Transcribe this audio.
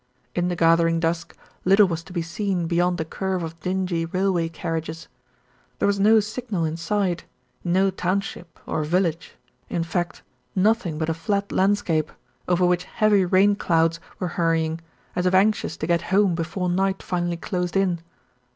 In the gathering dusk, little was to be seen beyond a curve of dingy railway carriages. There was no signal in sight, no township or village, in fact nothing but a flat landscape, over which heavy rain clouds were hurrying, as if anxious to get home before night finally closed in.